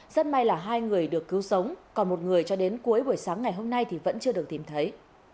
rất may là hai người được cứu sống còn một người cho đến cuối buổi sáng ngày hôm nay thì vẫn chưa được tìm thấy